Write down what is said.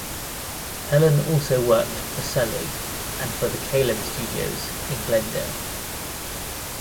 Helen also worked for Selig and for the Kalem Studios in Glendale.